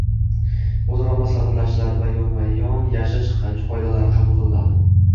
o‘zaro maslahatlashiladi va yonma-yon yashash qoidalari qabul qilinadi.